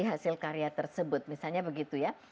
hasil karya tersebut misalnya begitu ya